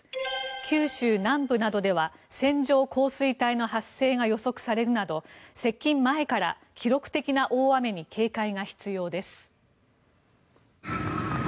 九州南部などでは線状降水帯の発生が予測されるなど接近前から記録的な大雨に警戒が必要です。